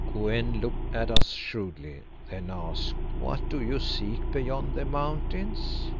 Kou en looked at us shrewdly, then asked "What do you seek beyond the mountains?